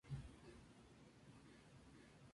Se encuentra en Cerdeña y España.